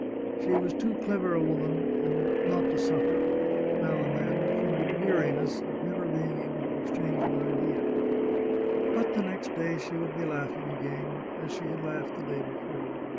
She was too clever a woman not to suffer, now and then, from the weariness of never being able to exchange an idea. But the next day she would be laughing again, as she had laughed the day before.